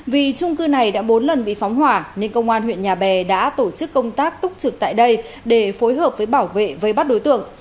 vì trung cư này đã bốn lần bị phóng hỏa nên công an huyện nhà bè đã tổ chức công tác túc trực tại đây để phối hợp với bảo vệ vây bắt đối tượng